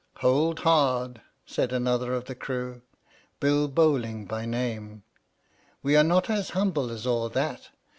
" Hold hard !" said another of the crew, Bill Bowling by name, " we are not as humble as all that.